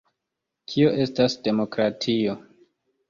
Kio estas demokratio?